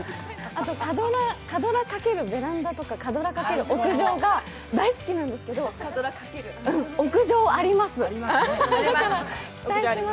あと火ドラ×ベランダとか火ドラ×屋上とか大好きなんですけど、屋上あります？